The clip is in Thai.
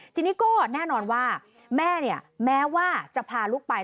ทีนี้ก็แน่นอนว่าแม่เนี่ยแม้ว่าจะพาลูกไป